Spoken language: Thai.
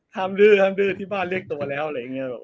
ทำรือทำรือที่บ้านเรียกตัวแล้วอะไรอย่างนี้